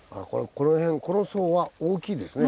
この層は大きいですね。